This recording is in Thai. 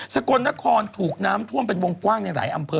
กลนครถูกน้ำท่วมเป็นวงกว้างในหลายอำเภอ